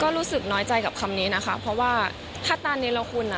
รู้สึกน้อยใจกับคำนี้นะคะเพราะว่าถ้าตาเนรคุณอ่ะ